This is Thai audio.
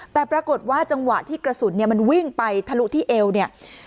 แต่ปรากฏว่าจังหวะที่กระสุนเนี่ยมันวิ่งไปทะลุที่เอวเนี่ย